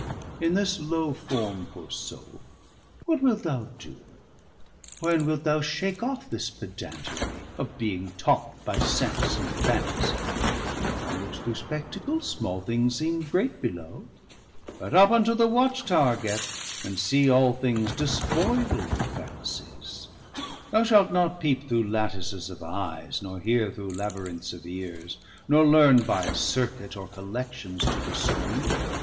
In this low forme, poore soule, what wilt thou doe? 290 When wilt thou shake off this Pedantery, Of being taught by sense, and Fantasie? Thou look'st through spectacles; small things seeme great Below; But up unto the watch towre get, And see all things despoyl'd of fallacies: 295 Thou shalt not peepe through lattices of eyes, Nor heare through Labyrinths of eares, nor learne By circuit, or collections to discerne.